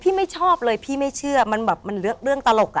ไม่ชอบเลยพี่ไม่เชื่อมันแบบมันเรื่องตลก